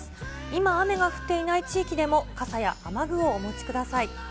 今、雨が降っていない地域でも、傘や雨具をお持ちください。